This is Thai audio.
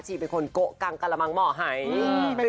เป็นคนโกะกังกะละมังเหมาะหาย